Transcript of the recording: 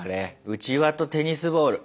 うちわとテニスボール。